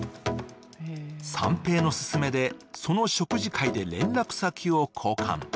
三瓶の勧めでその食事会で２人は連絡先を交換。